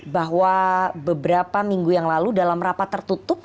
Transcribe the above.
bahwa beberapa minggu yang lalu dalam rapat tertutup